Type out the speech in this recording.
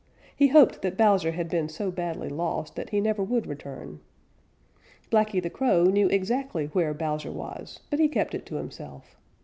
He hoped that Bowser had been so badly lost that he never would return. Blacky the Crow knew exactly where Bowser was, but he kept it to himself.